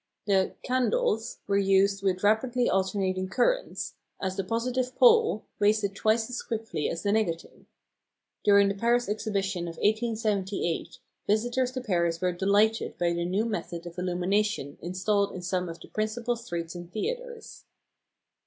The "candles" were used with rapidly alternating currents, as the positive "pole" wasted twice as quickly as the negative. During the Paris Exhibition of 1878 visitors to Paris were delighted by the new method of illumination installed in some of the principal streets and theatres.